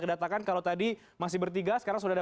kedatangan kalau tadi masih bertiga sekarang sudah ada